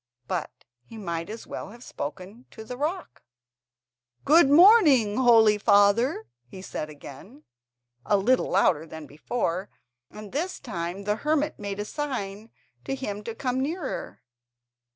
But he might as well have spoken to the rock. "Good morning, holy father," he said again, a little louder than before, and this time the hermit made a sign to him to come nearer.